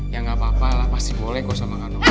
ya gak apa apa lah pasti boleh kau sama kak nora